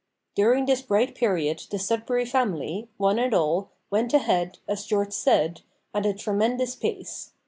During this bright period the Sudberry Family, one and all, went ahead, as George said, "at a tremendous pace."